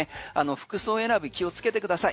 服装選び気をつけてください。